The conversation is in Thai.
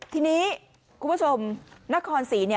ทีนี้คุณผู้ชมนครศรี